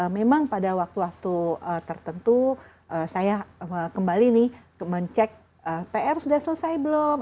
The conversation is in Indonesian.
memang pada waktu waktu tertentu saya kembali nih mencek pr sudah selesai belum